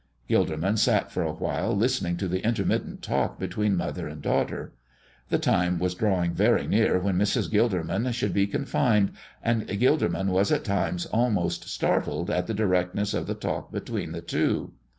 Gilderman sat for a while listening to the intermittent talk between mother and daughter. The time was drawing very near when Mrs. Gilderman should be confined, and Gilderman was at times almost startled at the directness of the talk between the two.